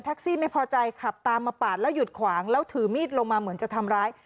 ซี่ไม่พอใจขับตามมาปาดแล้วหยุดขวางแล้วถือมีดลงมาเหมือนจะทำร้าย